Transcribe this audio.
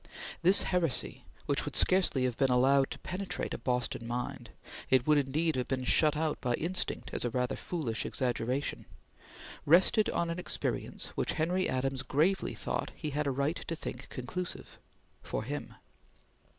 This heresy, which scarcely would have been allowed to penetrate a Boston mind it would, indeed, have been shut out by instinct as a rather foolish exaggeration rested on an experience which Henry Adams gravely thought he had a right to think conclusive for him.